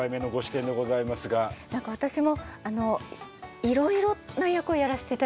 何か私もいろいろな役をやらせていただいて。